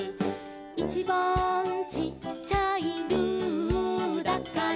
「いちばんちっちゃい」「ルーだから」